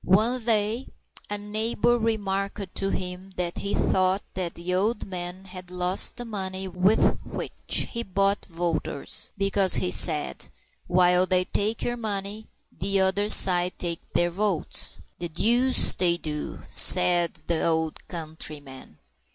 One day a neighbor remarked to him that he thought that the old man had lost the money with which he bought voters, because, he said, while they take your money, the other side take their votes. "The deuce they do!" said the old countryman.